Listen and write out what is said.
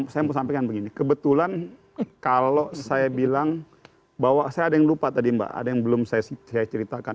saya mau sampaikan begini kebetulan kalau saya bilang bahwa saya ada yang lupa tadi mbak ada yang belum saya ceritakan